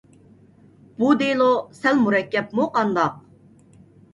بۇ دېلو سەل مۇرەككەپمۇ قانداق؟